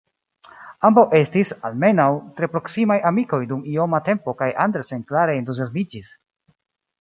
Ambaŭ estis, almenaŭ, tre proksimaj amikoj dum ioma tempo kaj Andersen klare entuziasmiĝis.